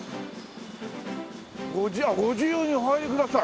ご自由「ご自由にお入りください」。